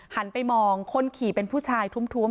หันไปมองคนขี่เป็นผู้ชายท้วม